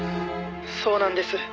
「そうなんです。